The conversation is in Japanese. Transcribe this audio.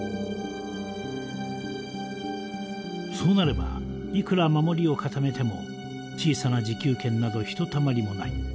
そうなればいくら守りを固めても小さな持久圏などひとたまりもない。